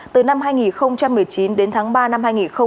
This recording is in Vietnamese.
từ năm hai nghìn một mươi chín đến tháng ba năm hai nghìn hai mươi